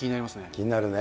気になるね。